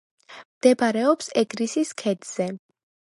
მდებარეობს ეგრისის ქედზე.